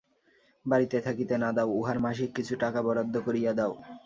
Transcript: বাড়িতে থাকিতে না দাও, উহার মাসিক কিছু টাকা বরাদ্দ করিয়া দাও।